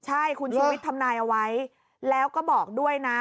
ใช่คุณชีวิตทำนายเอาไว้แล้วก็บอกด้วยนะ